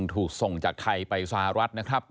ถูกส่งจากไทยไปสหรัฐนะครับ